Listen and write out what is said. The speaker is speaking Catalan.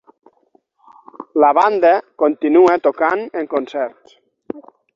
La banda continua tocant en concerts.